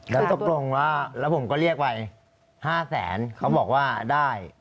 แล้วตกลงว่าแล้วผมก็เรียกไป๕แสนเขาบอกว่าได้